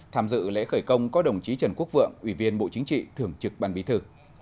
tham dự lễ khởi công có đồng chí trần quốc vượng ủy viên bộ chính trị thưởng trực ban bí thư